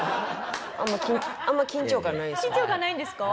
あんま緊張感ないんですよ。